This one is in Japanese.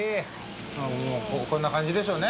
あぁもうこんな感じでしょうね。